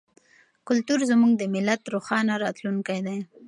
کلتور زموږ د ملت روښانه راتلونکی دی.